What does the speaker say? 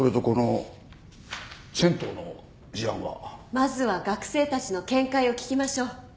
まずは学生たちの見解を聞きましょう。